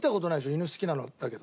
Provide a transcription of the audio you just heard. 犬好きなのだけど。